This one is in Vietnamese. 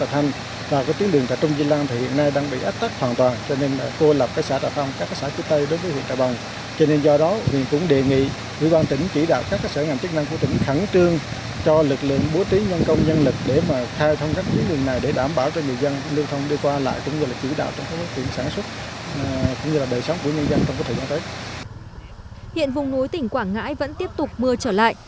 hiện vùng núi tỉnh quảng ngãi vẫn tiếp tục mưa trở lại